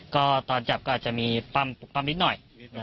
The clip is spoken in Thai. ก็ตอนจับก็อาจจะมีปั้มนิดหน่อย